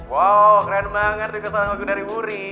wow keren banget request lagu dari wuri